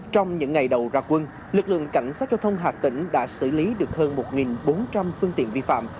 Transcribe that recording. trong những ngày đầu ra quân lực lượng cảnh sát giao thông hà tĩnh đã xử lý được hơn một bốn trăm linh phương tiện vi phạm